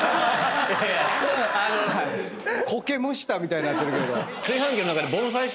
こけむしたみたいになってるけど。